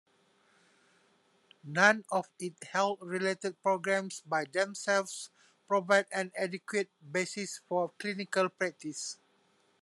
None of its health-related programs-by themselves-provide an adequate basis for clinical practice.